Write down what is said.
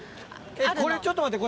これ、ちょっと待って！